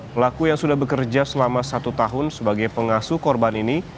pelaku yang sudah bekerja selama satu tahun sebagai pengasuh korban ini